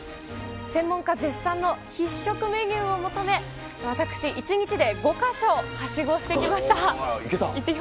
専門家絶賛の必食メニューを求め、私、１日で５か所はしごしてきま行けた？